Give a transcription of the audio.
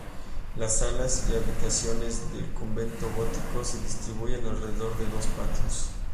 Las salas y habitaciones del convento gótico se distribuyen alrededor de dos patios.